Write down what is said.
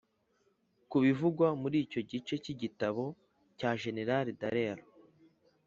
ku bivugwa muri icyo gice cy'igitabo cya jenerali dallaire